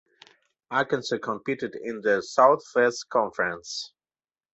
Arkansas competed in the Southwest Conference.